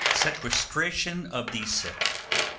Sequestration of the Sick.